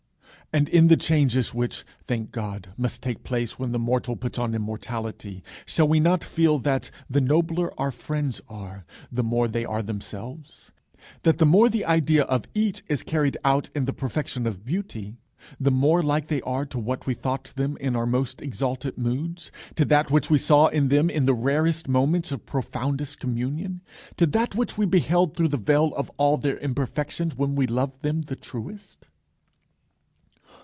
And in the changes which, thank God, must take place when the mortal puts on immortality, shall we not feel that the nobler our friends are, the more they are themselves; that the more the idea of each is carried out in the perfection of beauty, the more like they are to what we thought them in our most exalted moods, to that which we saw in them in the rarest moments of profoundest communion, to that which we beheld through the veil of all their imperfections when we loved them the truest?